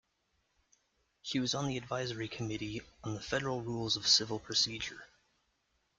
She was on the Advisory Committee on the Federal Rules of Civil Procedure.